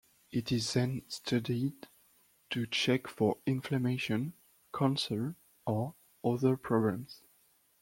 It is then studied to check for inflammation, cancer, or other problems.